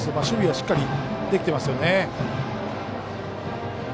守備はしっかりできてますよね。